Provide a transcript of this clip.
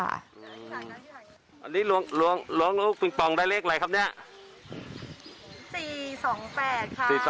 อันนี้ล้วงลูกปิงปองได้เลขอะไรครับเนี่ย